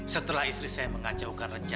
setelah istri saya mengacaukan rencana